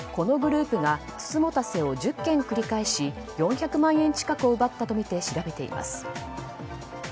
警視庁は、このグループが美人局を１０件繰り返し４００万円近くを奪ったとみて調べています。